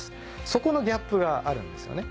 そこのギャップがあるんですよね。